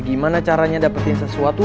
gimana caranya dapetin sesuatu